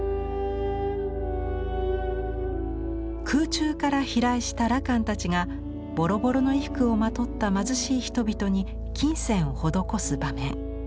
空中から飛来した羅漢たちがボロボロの衣服をまとった貧しい人々に金銭を施す場面。